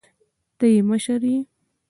ته يې مشر يې.